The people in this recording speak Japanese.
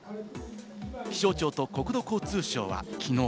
気象庁と国土交通省はきのう。